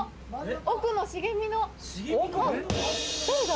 奥の茂みの誰だ？